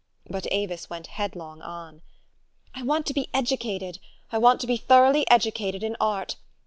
But Avis went headlong on, " I want to be educated. I want to be thoroughly educated in art.